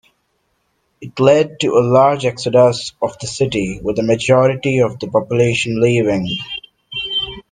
It led to a large exodus of the city, with a majority of the population leaving.